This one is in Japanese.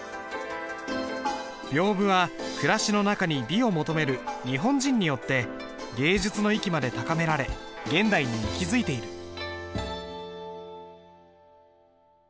屏風は暮らしの中に美を求める日本人によって芸術の域まで高められ現代に息づいている。